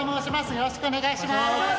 よろしくお願いします。